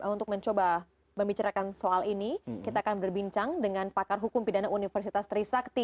untuk mencoba membicarakan soal ini kita akan berbincang dengan pakar hukum pidana universitas trisakti